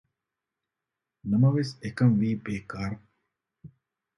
ނަމަވެސް އެކަންވީ ބޭކާރު